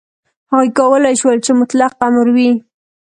هغوی کولای شول چې مطلق امر وي.